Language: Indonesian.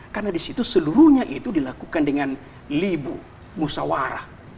karena di situ seluruhnya itu dilakukan dengan libu musawarah